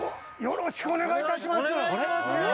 よろしくお願いします